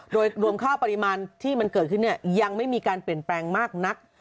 โดยรวมค่าปริมาณที่มันเกิดขึ้นเนี่ยยังไม่มีการเปลี่ยนแปลงมากนัก